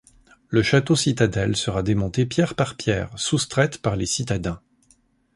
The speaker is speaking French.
Le château-citadelle sera démonté pierre par pierre, soustraites par les citadins.